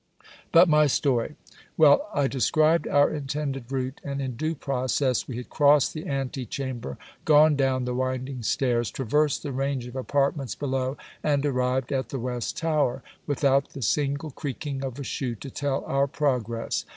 But, my story. Well: I described our intended route; and, in due process, we had crossed the antichamber, gone down the winding stairs, traversed the range of apartments below, and arrived at the West Tower, without the single creaking of a shoe to tell our progress.